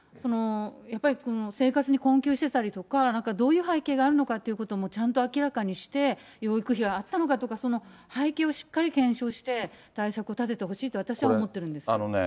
やっぱり生活に困窮してたりとか、なんかどういう背景があるのかっていうこともちゃんと明らかにして、養育費はあったのかとか、その背景をしっかり検証して、対策を立ててほしいと私は思ってるんです。